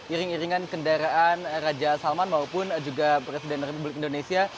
iring iringan kendaraan raja salman maupun juga presiden republik indonesia